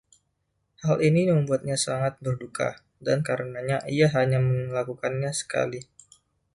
Hal ini membuatnya sangat berduka, dan karenanya, ia hanya melakukannya sekali.